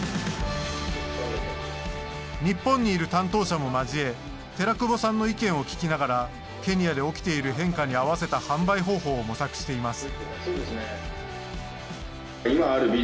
日本にいる担当者も交え寺久保さんの意見を聞きながらケニアで起きている変化に合わせた販売方法を模索しています。